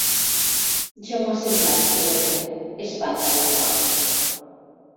Ja m'ho ha semblat, que ho eren —es vanta l'Arnau.